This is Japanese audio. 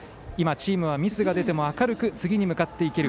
今、チームはミスが出ても明るく次に向かっていける。